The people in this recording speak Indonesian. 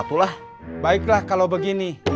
tuh lah baiklah kalau begini